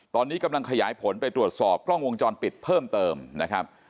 ตอนนี้กำลังขยายผลไปตรวจสอบกล้องวงจรปิดเพิ่มเติมนะครับ